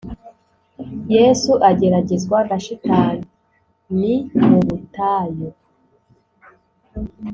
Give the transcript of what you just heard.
yesu ageragezwa na shitani mu ubutayu